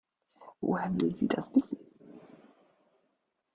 Woher will sie das wissen?